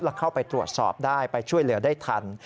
แล้วเข้าไปตรวจสอบได้ไปช่วยเหลือได้ทัน